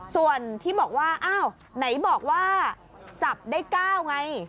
ส่วนที่บอกว่าอ้าวไหนบอกว่าจับได้๙ไง